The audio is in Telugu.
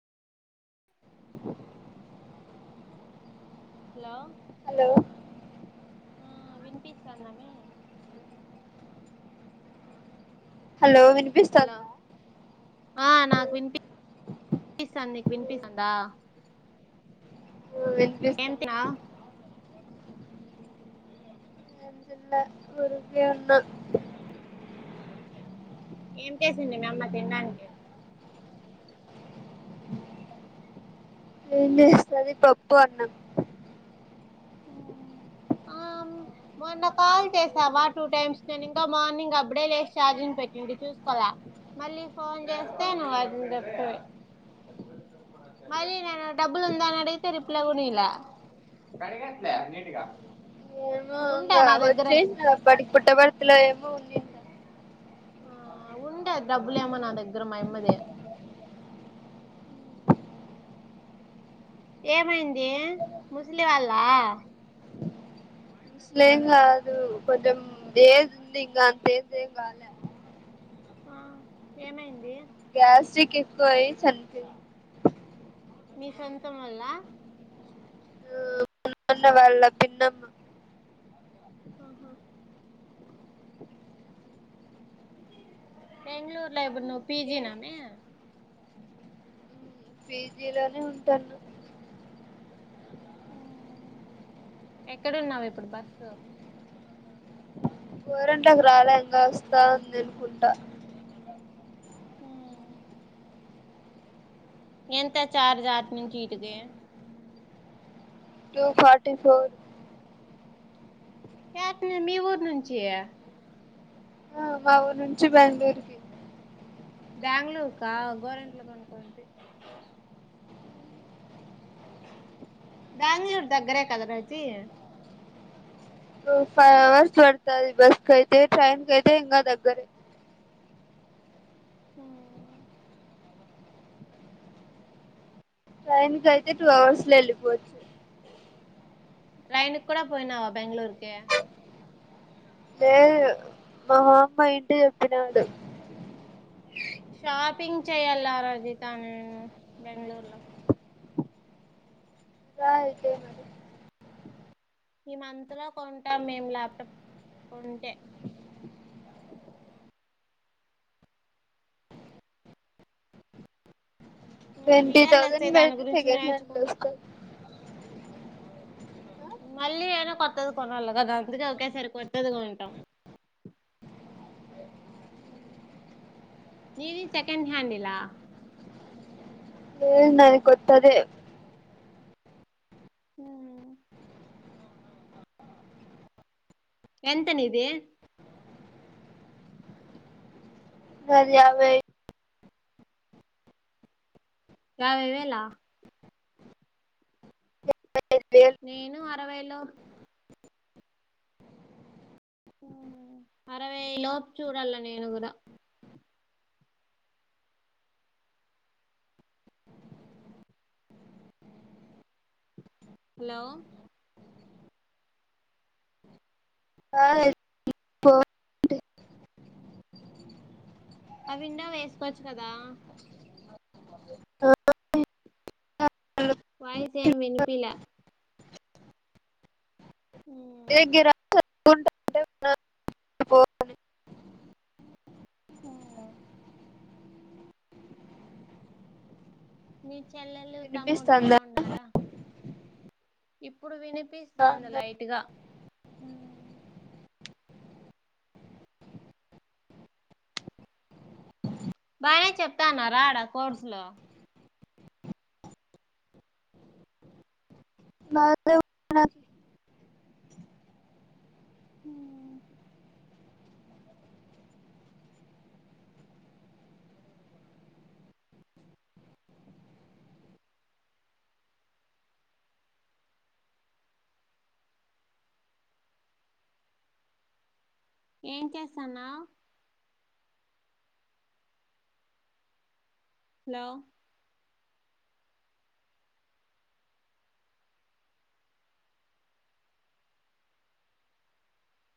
[inaudible] హలో హలో ఆ వినిపిస్తన్నామే హలో హలో వినిపిస్తందా ఆ నాకు వినిపిస్తంది నీకు వినిపిస్తందా ఆ వినిపిస్తోంది ఎంత్ర కె ఉన్న ఏం చేసింది మి అమ్మ తినడానికి అది పప్పు అన్నం ఆ మొన్న కాల్ చేసావా టూ టైమ్స్ నేను ఇంకా మార్నింగ్ అప్పుడే లేసి చఛార్జింగ్ పెట్టిం చూసుకోవాల మళ్ళీ ఫోన్ చేస్తే నువవు అది మళ్ళీ నేను డబ్బులు ఉందా అని అడిగితే రిప్లై కొ ఇలా కనిిక ఎట్లే నీటిగా వచ్చే బడి పుట్ట భరితిలో ఏమో ఉంది ఆ ఉండే డబ్బులే ఏమో నా దగ్గర మా యమ్మది ఏమైంది ముసలి వాళ్ళ ఏం కాదు కొంచెం ఏజ్ ఉంది ఇకా అంత ఏజ్ ఏం కాలే ఆ ఏమైంది గ్యాస్ట్రిక్ ఎక్కువై చనిపోయింది మీ సొంతం వల్ల అన్న వాళ్ళ భిన్నం ఆహా బెంగళూరులో ఇప్పుడు నువ్వు పీజీ నమే పేజీలోనే ఉంటాను ఉ ఎక్కడన్నావు ఇప్పుడు బస్సు కోరంటకు రాలే ఇంకా వస్తాంది అనుకుంటా హ ఎంత చార్జ ఆఠ్ నుంచి ఇడికి టూ ఫార్టీ ఫోర్ యాట్ మీ ఊరు నుంచి మా ఊ నుంచి బెంగళూరుకి బెంగళూరుకా గోరంట్లకు అనుకుంటి బెంగళూరు దగ్గరే కదా రాజి ఫైవ్ అవర్స్ పదతాది బస్ కైతే ట్రైన్ కైతే ఇంకా దగ్గరే అ ట్రైన్ కైతే టూ అవర్స్ లో వెళ్ళిపోవచ్చు నైన్కి కూడా పోయినావా బెంగళూరుకి లేదు మా మామ్మ ఇంటి దగ్గ నే ఉంది షాపింగ్ చేయ్యల రజిత నేను బెంగళూరు లో రా అయితే మరి ఈ మంత్‌లో కొంటా మేం ల్యాప్టాప్ కొంటే ట్వంటీ విఎల్ఎస్ఐ థౌజండ్ దాని పెడితే గురించి సెకండ్ హ్యాండ్ నేర్చుకు లో వస్తది మళ్లీ అయినా కొత్తది కొనాలి గదా, అందుకే ఒకేసారి కొత్తదికొంటాం నీది సెకండ్ హ్యాండిల్ ఆ లేదు నాది కొత్తదే హ్మ్ ఎంత నీది నాది యాభై యాభై వేలా ఐదు వేలు నేను అరవైలో అరవై లోపు చూడాల నేను కూడా హలో ఆ ఆ 'అవిండో వేసుకోవచ్చు కదా దా ఆ వాయిసేం వినిపిలా ఏ గిరా క్ ఓ ఉంటే ఉండాలి పోవాలి ఆ మీ చెల్లెలు తమ్ముడు వినిపిస్తాందా బావున్నారా ఇప్పుడు విని పీస్తాం ది బాగున్నది లైట్ గ హ బానే చెప్తాన్నరా ఆడ కోర్సు లో నాకు లేవు నాకు హ ఏం చేస్తన్నావ్ హలో